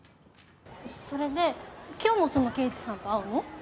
それで今日もその刑事さんと会うの？